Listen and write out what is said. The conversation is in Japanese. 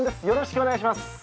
よろしくお願いします